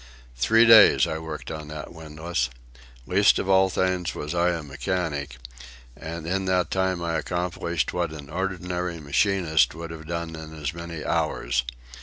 Three days I worked on that windlass. Least of all things was I a mechanic, and in that time I accomplished what an ordinary machinist would have done in as many hours.